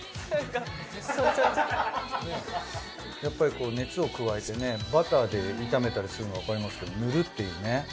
やっぱりこう熱を加えてねバターで炒めたりするのはわかりますけど塗るっていうね。